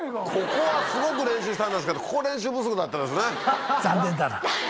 ここはすごく練習したんですけどここ練習不足だったですね。